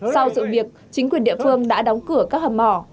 sau sự việc chính quyền địa phương đã đóng cửa các hầm mỏ